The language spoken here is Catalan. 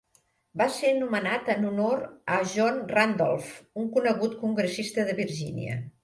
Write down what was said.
Va ser nomenat en honor a John Randolph, un conegut congressista de Virgínia.